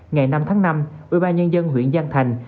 ngày năm tháng năm ubnd huyện giang thành